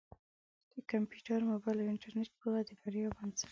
د کمپیوټر، مبایل او انټرنېټ پوهه د بریا بنسټ دی.